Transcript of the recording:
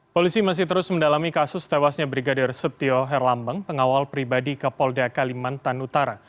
polisi masih terus mendalami kasus tewasnya brigadir setio herlambeng pengawal pribadi ke polda kalimantan utara